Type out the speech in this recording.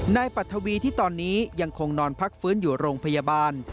ปัทวีที่ตอนนี้ยังคงนอนพักฟื้นอยู่โรงพยาบาล